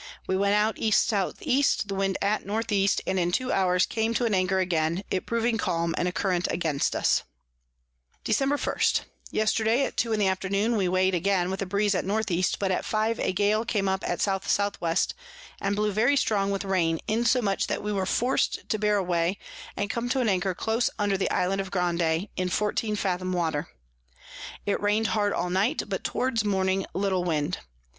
We went out E S E. the Wind at N E. and in two hours came to an Anchor again, it proving calm, and a Current against us. Dec. 1. Yesterday at two in the Afternoon we weigh'd again, with a Breeze at N E. but at five a Gale came up at S S W. and blew very strong with Rain, insomuch that we were forc'd to bear away, and come to an Anchor close under the Island of Grande, in fourteen Fathom Water. It rain'd hard all night, but towards morning little Wind.